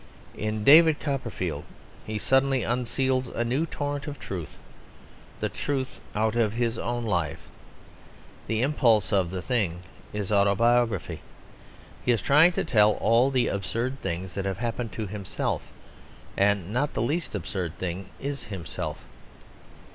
In David Copperfield he suddenly unseals a new torrent of truth, the truth out of his own life. The impulse of the thing is autobiography; he is trying to tell all the absurd things that have happened to himself, and not the least absurd thing is himself.